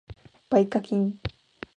買掛金